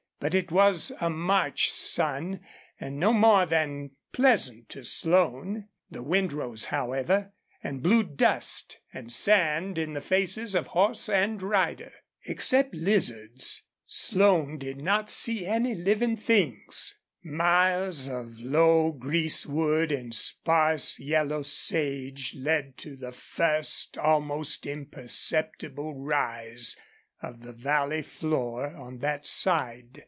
But it was a March sun, and no more than pleasant to Slone. The wind rose, however, and blew dust and sand in the faces of horse and rider. Except lizards, Slone did not see any living things. Miles of low greasewood and sparse yellow sage led to the first almost imperceptible rise of the valley floor on that side.